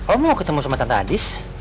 om mau ketemu sama tante andis